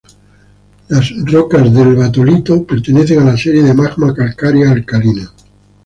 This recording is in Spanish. Las rocas del batolito pertenecen a la serie de magma calcárea alcalina.